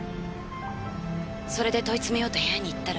それで問いつめようと部屋に行ったら。